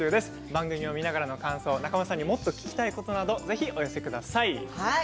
番組を見ながらの感想や仲間さんに聞きたいことなどを寄せください。